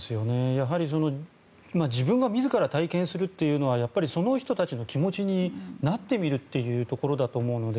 やはり、自ら体験するというのはその人たちの気持ちになってみるということだと思うので。